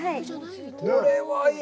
これはいい！